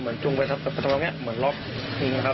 เหมือนจุงไปซับประตุมันแหละเหมือนล็อกคอ